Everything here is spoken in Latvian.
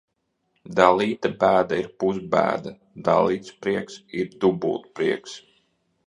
Dalīta bēda ir pusbēda, dalīts prieks ir dubultprieks.